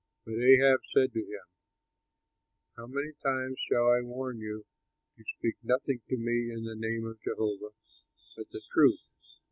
But Ahab said to him, "How many times shall I warn you to speak nothing to me in the name of Jehovah but the truth?"